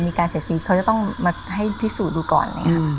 ในการเสียชีวิตเขาจะต้องให้พิสูจน์ดูก่อน